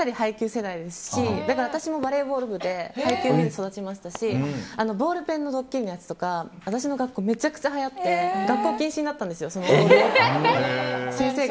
世代ですし私もバレーボール部で「ハイキュー！！」見て育ちましたしボールペンのドッキリのやつとか私の学校、めちゃくちゃはやって学校禁止になったんですよ。